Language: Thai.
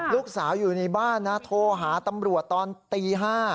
อยู่ในบ้านนะโทรหาตำรวจตอนตี๕